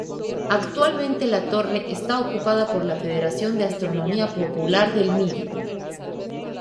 Actualmente la torre está ocupada por la Federación de Astronomía Popular del Midi.